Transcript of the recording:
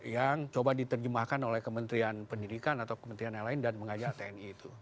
yang coba diterjemahkan oleh kementerian pendidikan atau kementerian yang lain dan mengajak tni itu